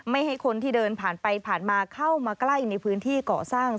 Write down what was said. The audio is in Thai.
ให้คนที่เดินผ่านไปผ่านมาเข้ามาใกล้ในพื้นที่ก่อสร้าง